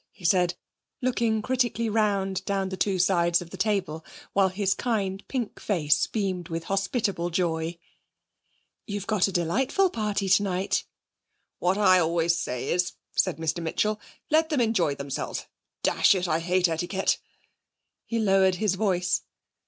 he said, looking critically round down the two sides of the table, while his kind pink face beamed with hospitable joy. 'You've got a delightful party tonight.' 'What I always say is,' said Mr Mitchell; 'let them enjoy themselves! Dash it, I hate etiquette.' He lowered his voice.